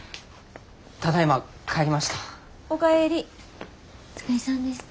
ただいま帰りました。